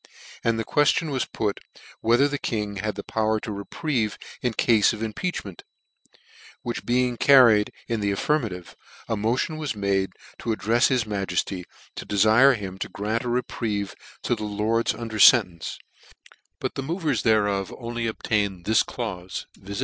And the queftion was put, whether the King had power to reprieve, in cafe of impeachment ? which being carried in the affirmative, a motion was made to addrefs his Majcfty to defire him to grant a reprieve to the lords under fcntence ; but the movers thereof only obtained this chuff, viz.